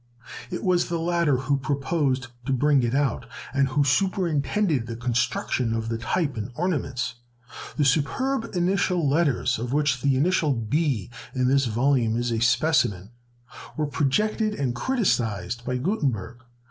It was the latter who proposed to bring it out, and who superintended the construction of the type and ornaments. The superb initial letters, of which the initial B in this volume is a specimen, were projected and criticised by Gutenberg.